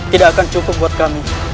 tidak akan cukup buat kami